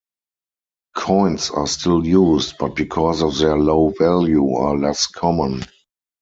Coins are still used, but because of their low value are less common.